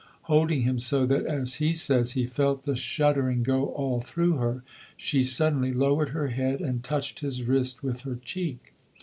Holding him so that, as he says, he felt the shuddering go all through her, she suddenly lowered her head and touched his wrist with her cheek.